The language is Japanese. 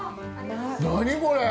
何これ！？